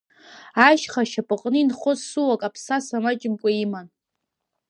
Ашьха ашьапаҟны инхоз суак аԥсаса маҷымкәа иман.